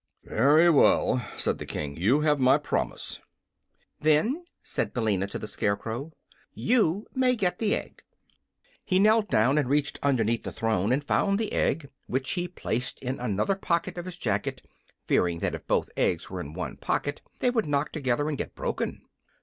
"Very well," said the King. "You have my promise." "Then," said Billina to the Scarecrow, "you may get the egg." He knelt down and reached underneath the throne and found the egg, which he placed in another pocket of his jacket, fearing that if both eggs were in one pocket they would knock together and get broken.